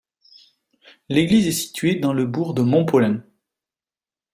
L'église est située dans le bourg de Montpollin.